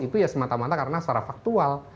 itu ya semata mata karena secara faktual